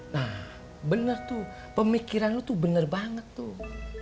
nah bener tuh pemikiran lu tuh benar banget tuh